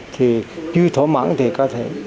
thì chưa thỏa mãn thì có thể